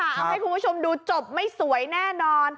เอาให้คุณผู้ชมดูจบไม่สวยแน่นอน